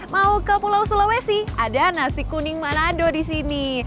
mau ke pulau sulawesi ada nasi kuning manado di sini